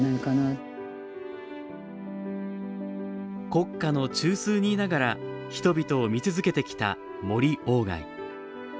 国家の中枢にいながら、人々を見続けてきた森鴎外。